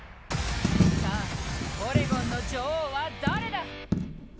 さあ、オレゴンの女王は誰だ！？